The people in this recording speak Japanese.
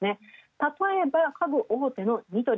たとえば家具大手のニトリ。